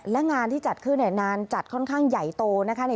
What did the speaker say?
และงานที่จัดขึ้นงานจัดค่อนข้างใหญ่โตนะคะ